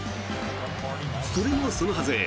それもそのはず